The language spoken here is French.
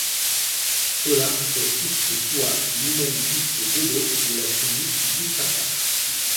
Thola est fils de Poua, lui-même fils de Dodo, de la tribu d'Issacar.